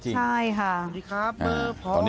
เชิงชู้สาวกับผอโรงเรียนคนนี้